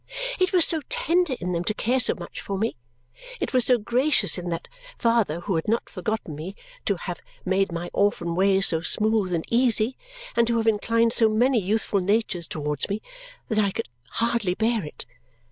It was so tender in them to care so much for me, it was so gracious in that father who had not forgotten me to have made my orphan way so smooth and easy and to have inclined so many youthful natures towards me, that I could hardly bear it.